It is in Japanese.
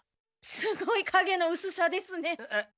すごいかげのうすさですね。